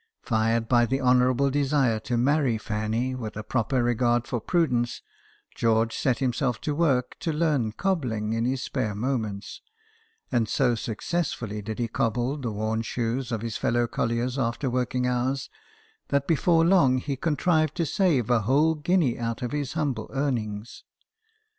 Fired by the honourable desire to marry Fanny, with a proper regard for prudence, George set himself to work to learn cobbling in his spare moments ; and so successfully did he cobble the worn shoes of his fellow colliers after working hours, that before long he contrived to save a whole guinea out of his humble earnings.